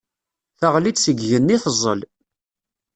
Teɣli-d seg yigenni teẓẓel.